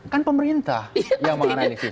kan pemerintah yang menganalisis